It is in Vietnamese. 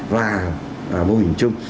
và mô hình chung